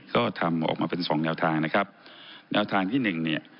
ก็ทำออกมาเป็นสองแนวทางนะครับแนวทางที่หนึ่งเนี่ย